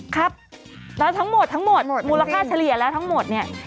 ครับแล้วทั้งหมดทั้งหมดมูลค่าเฉลี่ยแล้วทั้งหมดเนี่ย